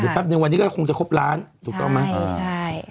เดี๋ยวแป๊บนึงวันนี้ก็คงจะครบล้านถูกต้องไหม